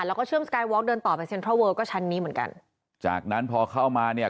แล้วก็เชื่อมสกายวอล์เดินต่อไปเซ็นทรัลเวิลก็ชั้นนี้เหมือนกันจากนั้นพอเข้ามาเนี่ย